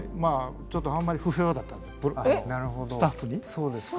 あちょっとあんまり不評だったんでスタッフに。